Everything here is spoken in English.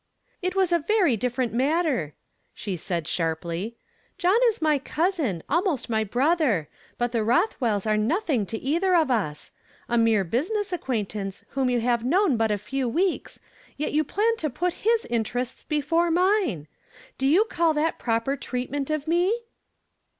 "It Avas a very different matter," she said sharply. " John is my cousin, almost my brotlier ; but the liothwells are nothing to either of us. A mere business acquaintance whom you have known but a fevr weeks, yet you plan to put his interests before mine ! Do you call that proper treatment of me